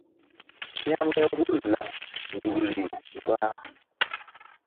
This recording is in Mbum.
Hȩkme hul laɓ nzukri mba.